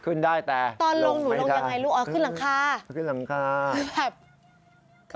ขึ้นได้แต่ตอนลงหนูลงยังไงลูกอ๋อขึ้นหลังคาขึ้นหลังคาแบบ